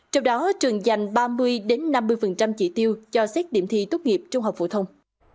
trong đó trường dành ba mươi năm mươi trị tiêu cho xét điểm thi tốt nghiệp trung học phổ thông